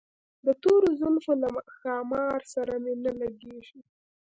د تورو زلفو له ښامار سره مي نه لګیږي